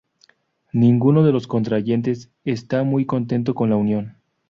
Ninguno de los contrayentes está muy contento con la unión.